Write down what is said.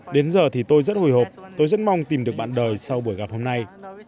đến giờ thì tôi rất hồi hộp tôi rất mong tìm được bạn đời sau buổi gặp hôm nay